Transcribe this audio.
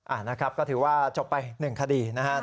นะครับก็ถือว่าจบไป๑คดีนะครับ